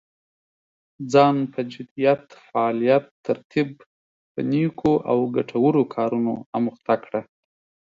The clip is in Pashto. ځان په جديت، فعاليتا، ترتيب په نيکو او ګټورو کارونو اموخته کړه.